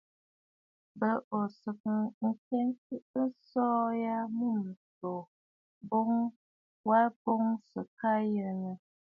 M̀bə ò ghɛ̂sə̀ ŋkəgə aso wa mûm ǹsòò mə kwaʼa boŋ sɨ̀ aa yənə!